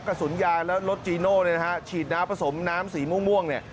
กระสุนยางและรถจีโน่เนี่ยนะฮะฉีดน้ำผสมน้ำสีม่วงเนี่ย